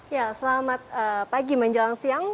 ya selamat pagi menjelang siang